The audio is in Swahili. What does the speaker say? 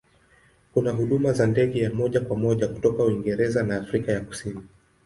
Kuna huduma za ndege ya moja kwa moja kutoka Uingereza na Afrika ya Kusini.